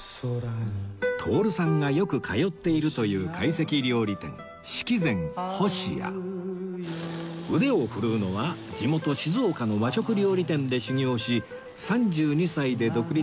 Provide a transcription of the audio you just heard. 徹さんがよく通っているという懐石料理店腕を振るうのは地元静岡の和食料理店で修業し３２歳で独立した大将星谷敏之さん